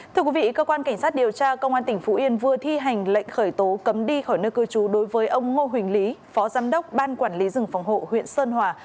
thưa quý vị cơ quan cảnh sát điều tra công an tỉnh phú yên vừa thi hành lệnh khởi tố cấm đi khỏi nơi cư trú đối với ông ngô huỳnh lý phó giám đốc ban quản lý rừng phòng hộ huyện sơn hòa